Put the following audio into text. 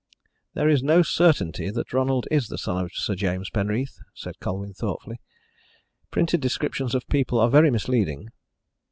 "There is no certainty that Ronald is the son of Sir James Penreath," said Colwyn thoughtfully. "Printed descriptions of people are very misleading."